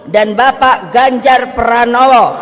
dan bapak ganjar pranowo